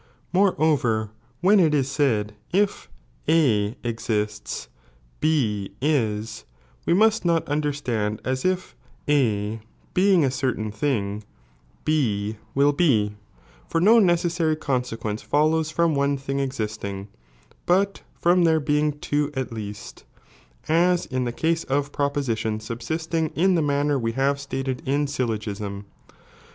Moreover (when it is said) if A eiista B is, we must not understand as if A being a cerlain thing B will be, for no necessary consequence follows from one thing existing ; but from there being two at least, as in the case of propositions subsisdng in the manner we have staled in syllo gism.